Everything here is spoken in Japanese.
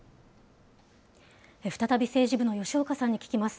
再び政治部の吉岡さんに聞きます。